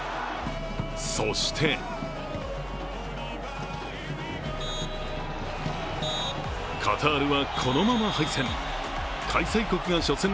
そしてカタールはこのまま敗戦。